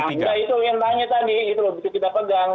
ya itu yang ditanya tadi itu bisa kita pegang